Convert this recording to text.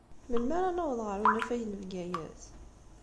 Melmi ara naweḍ ɣer unafag n Bgayet?